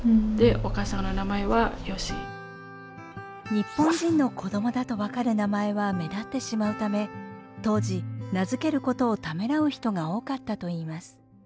日本人の子供だと分かる名前は目立ってしまうため当時名付けることをためらう人が多かったといいます。